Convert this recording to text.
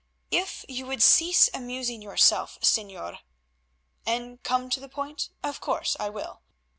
"If you would cease amusing yourself, Señor——" "And come to the point? Of course I will.